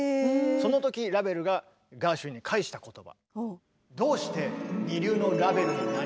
その時ラヴェルがガーシュウィンに返した言葉。